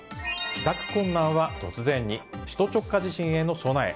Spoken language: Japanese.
帰宅困難は突然に首都直下地震への備え。